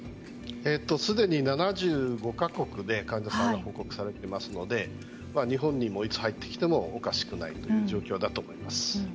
すでに７５か国で患者さんが報告されているので日本にもいつ入ってきてもおかしくないという状況だと思います。